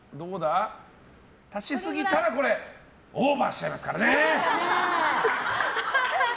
足しすぎたらオーバーしちゃいますからね！